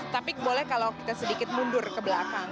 tapi boleh kalau kita sedikit mundur ke belakang